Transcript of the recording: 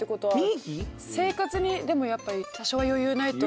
生活にでもやっぱり多少は余裕ないと。